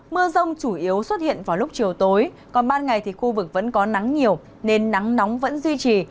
mưa rông chủ yếu xuất hiện vào lúc chiều tối còn ban ngày thì khu vực vẫn có nắng nhiều nên nắng nóng vẫn duy trì